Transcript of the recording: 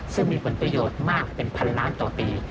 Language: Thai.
ซึ่งมีผลประโยชน์มากเป็นพันล้านต่อปี